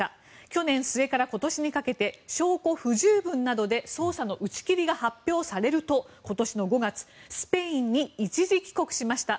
去年末から今年にかけて証拠不十分などで捜査の打ち切りが発表されると今年の５月、スペインに一時帰国しました。